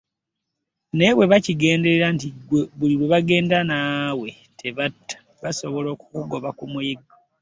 Naye bwe bakigenderera nti ggwe buli lwe bagenda naawe tebatta, basobola okukugoba ku muyiggo.